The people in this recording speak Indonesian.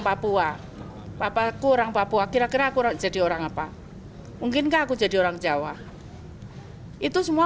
papua papa kurang papua kira kira kurang jadi orang apa mungkinkah aku jadi orang jawa itu semua